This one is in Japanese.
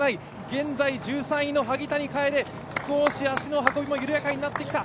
現在１３位の萩谷楓、少し足の運びも緩やかになってきた。